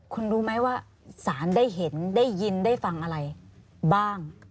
คุณรู้ไหมว่าสารได้เห็นได้ยินได้ฟังอะไรบ้าง